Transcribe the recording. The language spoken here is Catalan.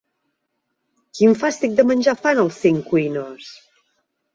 Quin fàstic de menjar fan al Centcuines?